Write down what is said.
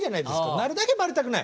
なるだけバレたくない。